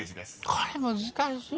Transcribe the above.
これ難しい。